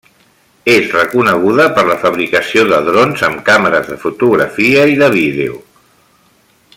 És reconeguda per la fabricació de drons amb càmeres de fotografia i de vídeo.